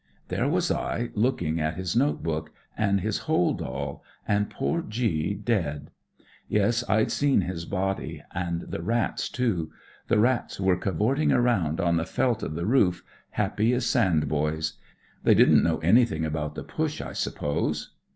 " There was I, looking at his note book and his hold all, and poor G dead. Yes, I'd seen his body. And the rats, too ; the rats were cavorting around on the felt WHAT IT'S LIKE IN THE PUSH 19 of the roof, happy as sand boys They didn't know anything about the Push, I suppose.